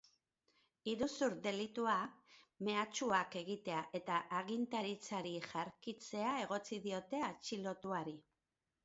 Iruzur delitua, mehatxuak egitea eta agintaritzari jarkitzea egotzi diote atxilotuari.